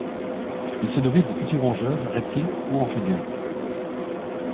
Ils se nourrissent de petits rongeurs, reptiles ou amphibiens.